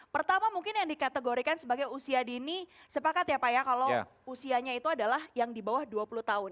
pertama mungkin yang dikategorikan sebagai usia dini sepakat ya pak ya kalau usianya itu adalah yang di bawah dua puluh tahun